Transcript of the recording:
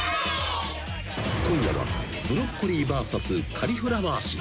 今夜はブロッコリーＶＳカリフラワー史。